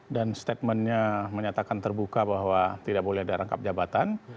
dan statementnya menyatakan terbuka bahwa tidak boleh ada rangkap jabatan